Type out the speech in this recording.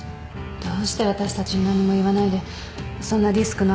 どうして私たちに何も言わないでそんなリスクのあることを。